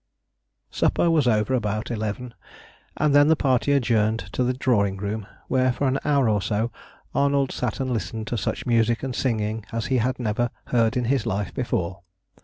Supper was over about eleven, and then the party adjourned to the drawing room, where for an hour or so Arnold sat and listened to such music and singing as he had never heard in his life before.